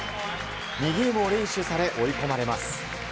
２ゲームを連取され追い込まれます。